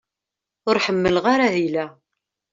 Ur ḥemmleɣ ara ahil-a.